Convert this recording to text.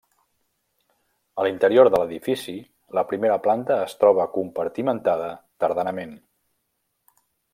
A l'interior de l'edifici, la primera planta es troba compartimentada tardanament.